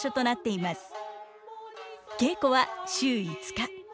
稽古は週５日。